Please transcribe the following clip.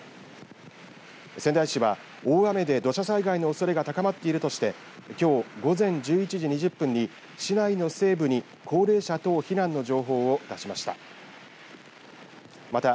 仙台市は大雨で土砂災害のおそれが高まっているとしてきょう午前１１時２０分に市内の西部に高齢者等非難の情報を出しました。